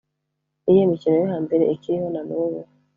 ni iyihe mikino yo hambere ikiriho na n’ubu?